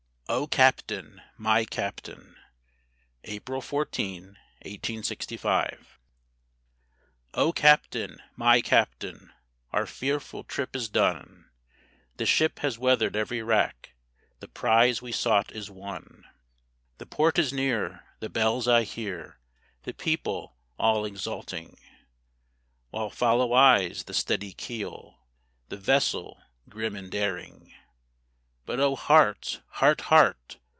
O CAPTAIN! MY CAPTAIN! [April 14, 1865] O Captain! my Captain! our fearful trip is done, The ship has weathered every rack, the prize we sought is won, The port is near, the bells I hear, the people all exulting, While follow eyes the steady keel, the vessel grim and daring; But O heart! heart! heart!